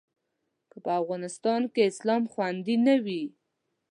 که په افغانستان کې اسلام خوندي نه وي.